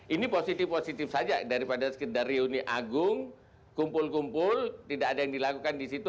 ini positif positif saja daripada sekedar reuni agung kumpul kumpul tidak ada yang dilakukan di situ